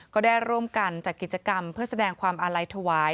ก็ได้ร่วมกันจัดกิจกรรมเพื่อแสดงความอาลัยถวาย